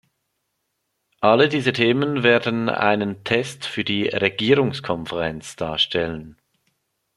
Alle diese Themen werden einen Test für die Regierungskonferenz darstellen.